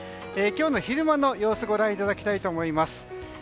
今日の昼間の様子をご覧いただきたいと思います。